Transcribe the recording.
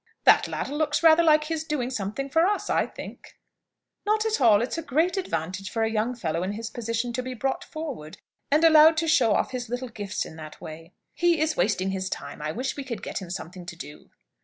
"That latter looks rather like his doing something for us, I think." "Not at all. It's a great advantage for a young fellow in his position to be brought forward, and allowed to show off his little gifts in that way." "He is wasting his time. I wish we could get him something to do."